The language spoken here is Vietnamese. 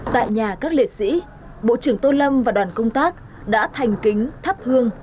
tại nhà các liệt sĩ bộ trưởng tô lâm và đoàn công tác đã thành kính thắp hương